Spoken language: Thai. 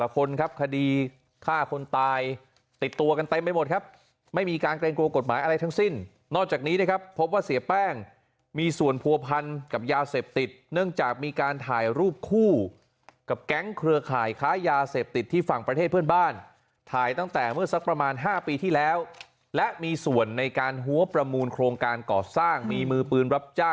คนครับคดีฆ่าคนตายติดตัวกันเต็มไปหมดครับไม่มีการเกรงกลัวกฎหมายอะไรทั้งสิ้นนอกจากนี้นะครับพบว่าเสียแป้งมีส่วนผัวพันกับยาเสพติดเนื่องจากมีการถ่ายรูปคู่กับแก๊งเครือข่ายค้ายาเสพติดที่ฝั่งประเทศเพื่อนบ้านถ่ายตั้งแต่เมื่อสักประมาณ๕ปีที่แล้วและมีส่วนในการหัวประมูลโครงการก่อสร้างมีมือปืนรับจ้